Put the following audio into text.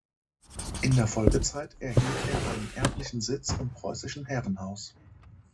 In der Folgezeit erhielt er einen erblichen Sitz im Preußischen Herrenhaus.